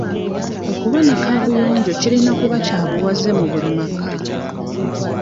Okuba ne kaabuyonjo kirina kuba kya buwaze mu buli maka.